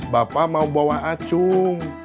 bapak mau bawa acung